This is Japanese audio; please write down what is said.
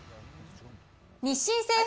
日清製粉